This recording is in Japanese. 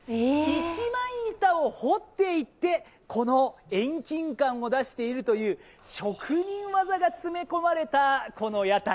一枚板を彫っていってこの遠近感を出しているという職人技が詰め込まれた、この屋台。